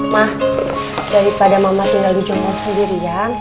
mah daripada mama tinggal di jogja sendiri